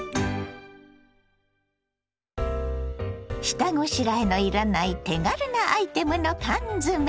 下ごしらえのいらない手軽なアイテムの缶詰。